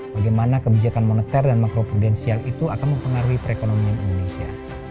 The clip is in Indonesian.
bagaimana kebijakan moneter dan makro prudensial itu akan mempengaruhi perekonomian indonesia